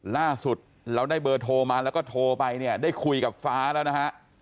ล่าสุดเราได้เบอร์โทรมาแล้วก็โทรไปเนี่ยได้คุยกับฟ้าแล้วนะฮะ